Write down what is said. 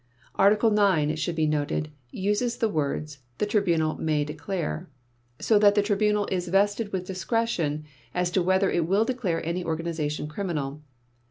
Article 9, it should be noted, uses the words "The Tribunal may declare", so that the Tribunal is vested with discretion as to whether it will declare any organization criminal.